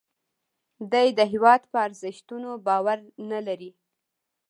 دی د هیواد په ارزښتونو باور نه لري